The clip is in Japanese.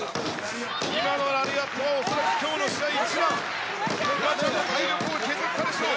今のラリアットは恐らくきょうの試合一番、フワちゃんの体力を削ったでしょう。